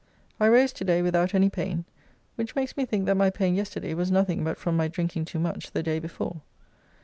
I rose to day without any pain, which makes me think that my pain yesterday was nothing but from my drinking too much the day before.